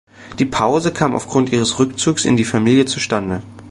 Die Pause kam aufgrund ihres Rückzugs in die Familie zustande.